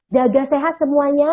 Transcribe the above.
jaga sehat semuanya